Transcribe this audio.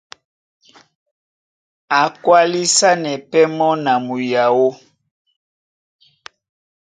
A kwálisanɛ pɛ́ mɔ́ na muyaó.